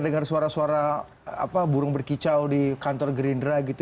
dengar suara suara burung berkicau di kantor gerindra gitu